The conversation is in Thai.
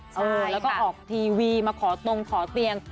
ใช่ค่ะแล้วก็ออกทีวีมาขอตงขอเตียง